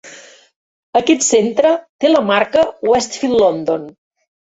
Aquest centre té la marca "Westfield London".